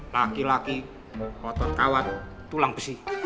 laki laki otot kawat tulang besi